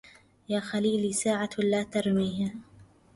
يا خليلي ساعة لا تريما